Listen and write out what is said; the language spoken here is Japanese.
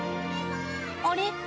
あれ？